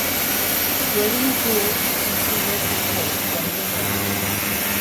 Drelincourt's controversial works were numerous.